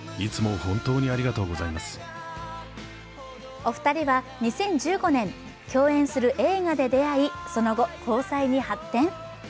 お二人は２０１５年共演する映画で出会い、その後交際に発展。